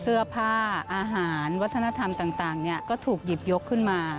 เสื้อผ้าอาหารวัฒนธรรมต่างก็ถูกหยิบยกขึ้นมา